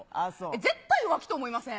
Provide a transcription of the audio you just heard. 絶対浮気と思いません？